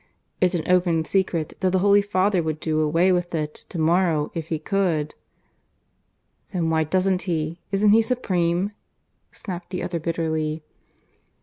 It's an open secret that the Holy Father would do away with it to morrow if he could." "Then why doesn't he? Isn't he supreme?" snapped the other bitterly.